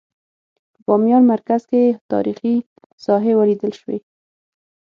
په بامیان مرکز کې تاریخي ساحې ولیدل شوې.